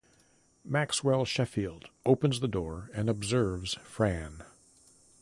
Maxwell Sheffield opens the door and observes Fran.